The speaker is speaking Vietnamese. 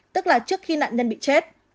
tức là trước khi nạn nhân bị chết